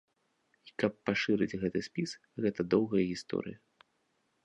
І каб пашырыць гэты спіс, гэта доўгая гісторыя.